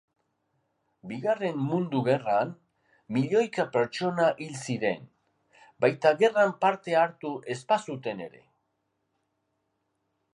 Bigarren Mundu Gerran milioika pertsona hil ziren, baita gerran parte hartu ez bazuten ere.